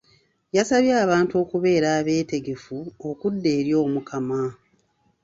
Yasabye abantu okubeera abeetegefu okudda eri Omukama